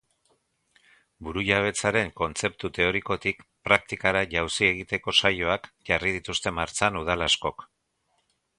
Burujabetzaren kontzeptu teorikotik praktikara jauzi egiteko saioak jarri dituzte martxan udal askok.